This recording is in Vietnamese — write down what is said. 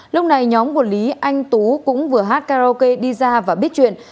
lúc này nhóm của lý anh tú cũng vừa hát karaoke đi ra và biết chuyện